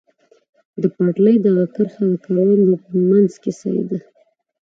د پټلۍ دغه کرښه د کروندو په منځ کې سیده.